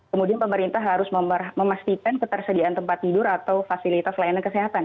kemudian pemerintah harus memastikan ketersediaan tempat tidur atau fasilitas layanan kesehatan